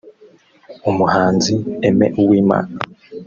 Umuhanzi Aime Uwimana